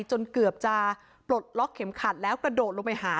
จนเกือบจะปลดล็อกเข็มขัดแล้วกระโดดลงไปหา